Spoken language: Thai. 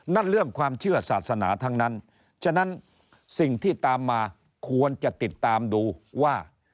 นั่นเรื่องความเชื่อศาสนาทั้งนั้นฉะนั้นสิ่งที่ตามมาควรจะติดตามดูว่า